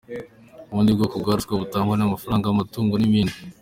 Ubundi bwoko bwa ruswa butangwa, ni amafaranga, amatungo n’ibindi.